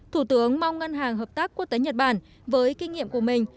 thủ tướng mong ngân hàng hợp tác quốc tế nhật bản với kinh nghiệm của mình